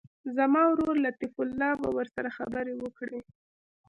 زما ورور لطیف الله به ورسره خبرې وکړي.